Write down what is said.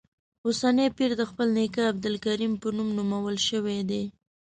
اوسنی پیر د خپل نیکه عبدالکریم په نوم نومول شوی دی.